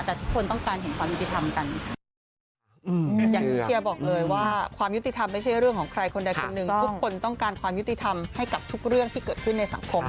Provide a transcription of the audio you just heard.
แต่ทุกคนต้องการเห็นความยุติธรรมกัน